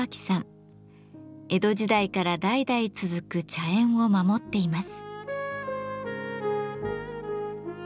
江戸時代から代々続く茶園を守っています。